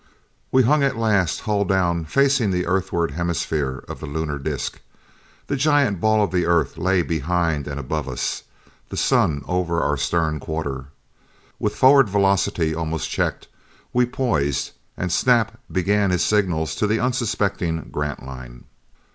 We hung at last, hull down, facing the Earthward hemisphere of the Lunar disc. The giant ball of the Earth lay behind and above us the Sun over our stern quarter. With forward velocity almost checked, we poised, and Snap began his signals to the unsuspecting Grantline.